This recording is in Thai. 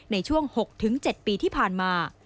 ในช่วง๖๗ปีที่ผ่านมา